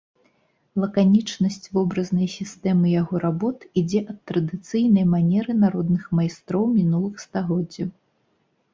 Лаканічнасць вобразнай сістэмы яго работ ідзе ад традыцыйнай манеры народных майстроў мінулых стагоддзяў.